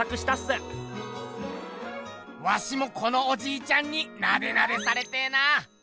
ワシもこのおじいちゃんになでなでされてぇな！